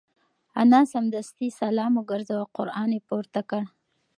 انا سمدستي سلام وگرځاوه او قران یې پورته کړ.